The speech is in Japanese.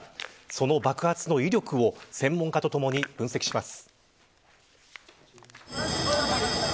その爆発の威力を専門家とともに分析します。